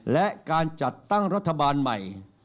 และการจัดตั้งรัฐบาลใหม่